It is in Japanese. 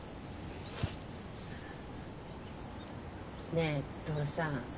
ねえ徹さん。